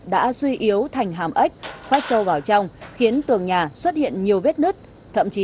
đã suy yếu thành hàm ếch khoách sâu vào trong khiến tường nhà xuất hiện nhiều vết nứt